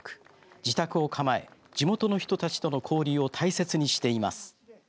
自宅を構え地元の人たちとの交流を大切にしています。